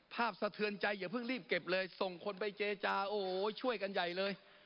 สะเทือนใจอย่าเพิ่งรีบเก็บเลยส่งคนไปเจจาโอ้โหช่วยกันใหญ่เลย